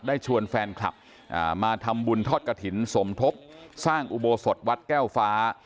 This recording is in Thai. ได้ชวนแฟนคลับมาทำบุญทอดกระถิ่นสมทบสร้างอุโบสถวัดแก้วฟ้า